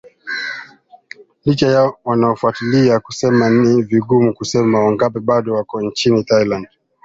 licha ya wanaofuatilia kusema ni vigumu kusema wangapi bado wako nchini Thailand